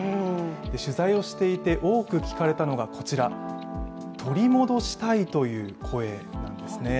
取材をしていて多く聞かれたのがこちら、「取り戻したい」という声なんですね。